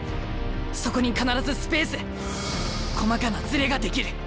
そこに必ずスペース細かなズレが出来る。